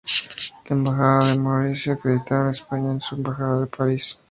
La Embajada de Mauricio acreditada en España es su Embajada en París.